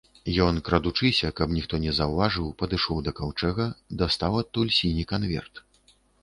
Ён, крадучыся, каб ніхто не заўважыў, падышоў да каўчэга, дастаў адтуль сіні канверт.